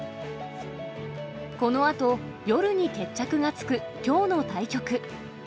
このあと、夜に決着がつくきょうの対局。